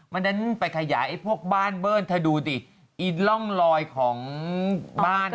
มันดันไปขยายไอ้พวกบ้านเบิ้ลเธอดูดิไอ้ร่องลอยของบ้าน